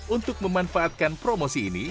untuk memanfaatkan promosi ini